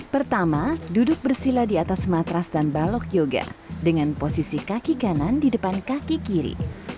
pertama duduk bersila di atas matras dan balok yoga dengan posisi kaki kanan di depan kaki kiri